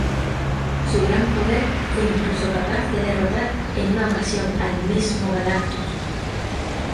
Su gran poder fue incluso capaz de derrotar en una ocasión al mismo Galactus.